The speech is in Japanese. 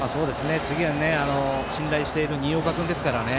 次は信頼している新岡君ですからね。